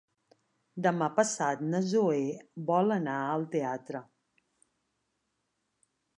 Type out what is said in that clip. Demà passat na Zoè vol anar al teatre.